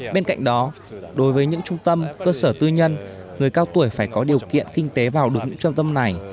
bên cạnh đó đối với những trung tâm cơ sở tư nhân người cao tuổi phải có điều kiện kinh tế vào được những trung tâm này